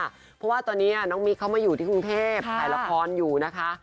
เพราะว่าตอนนี้น้องมิ๊กเขามาอยู่ที่กรุงเทพถ่ายละครอยู่นะคะ